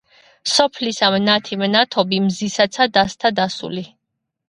სოფლისა მნათი მნათობი, მზისაცა დასთა დასული;